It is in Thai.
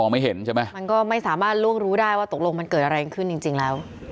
มันก็ไม่สามารถรู้รู้ได้ว่าตกลงมันเกิดอะไรขึ้นจริงแล้ว